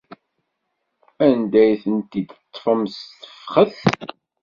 Anda ay ten-id-teḍḍfem s tefxet?